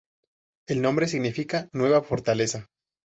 El nombre significa "nueva fortaleza".